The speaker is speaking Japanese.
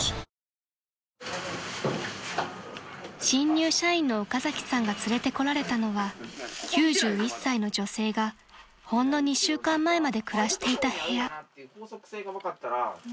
［新入社員の岡崎さんが連れてこられたのは９１歳の女性がほんの２週間前まで暮らしていた部屋］